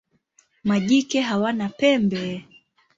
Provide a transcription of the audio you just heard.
Majike hawana pembe.